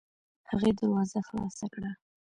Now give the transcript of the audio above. هغې دروازه خلاصه کړه.